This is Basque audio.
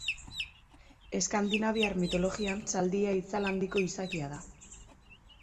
Eskandinaviar mitologian zaldia itzal handiko izakia da.